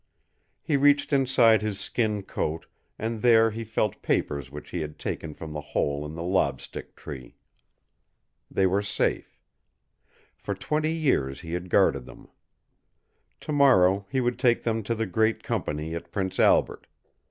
He reached inside his skin coat and there he felt papers which he had taken from the hole in the lob stick tree. They were safe. For twenty years he had guarded them. To morrow he would take them to the great company at Prince Albert.